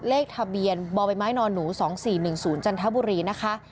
เลขทะเบียนบมน๒๔๑๐จันทบุรีนะคะ